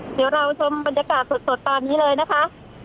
เดี๋ยวเราชมบรรยากาศสดตอนนี้เลยนะคะ